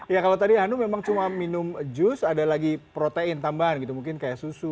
ya kalau tadi hanum memang cuma minum jus ada lagi protein tambahan gitu mungkin kayak susu